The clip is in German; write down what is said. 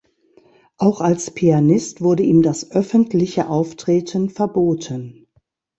Auch als Pianist wurde ihm das öffentliche Auftreten verboten.